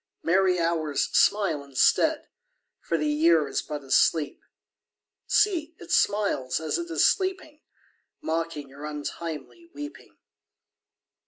Merry Hours, smile instead, For the Year is but asleep. See, it smiles as it is sleeping, _5 Mocking your untimely weeping.